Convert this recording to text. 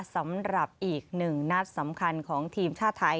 สำหรับอีกหนึ่งนัดสำคัญของทีมชาติไทย